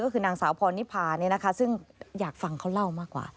ก็คือนางสาวพรนิพาซึ่งอยากฟังเขาเล่ามากกว่า